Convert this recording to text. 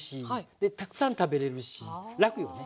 でたくさん食べれるしらくよね。